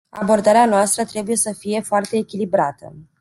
Abordarea noastră trebuie să fie foarte echilibrată.